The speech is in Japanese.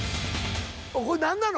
これ何なの？